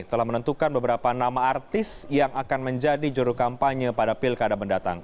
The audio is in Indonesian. telah menentukan beberapa nama artis yang akan menjadi juru kampanye pada pilkada mendatang